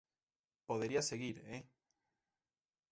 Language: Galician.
Podería seguir, ¡eh!